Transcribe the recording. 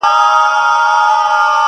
او بېوفايي ، يې سمه لکه خور وگڼه.